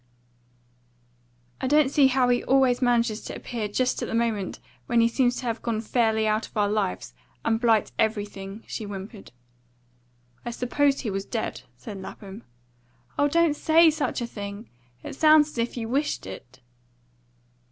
"I don't see how he always manages to appear just at the moment when he seems to have gone fairly out of our lives, and blight everything," she whimpered. "I supposed he was dead," said Lapham. "Oh, don't SAY such a thing! It sounds as if you wished it."